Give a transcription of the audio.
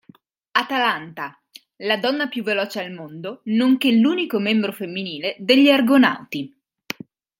Atalanta: La donna più veloce al mondo nonché l'unico membro femminile degli Argonauti.